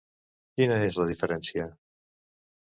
Quina és la diferència?